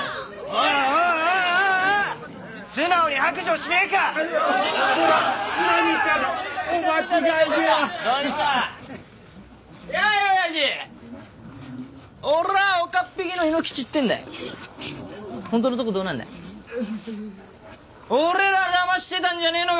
いや俺らだましてたんじゃねぇのか？